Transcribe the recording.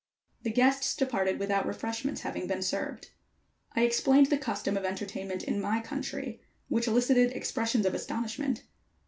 The guests departed without refreshments having been served. I explained the custom of entertainment in my country, which elicited expressions of astonishment.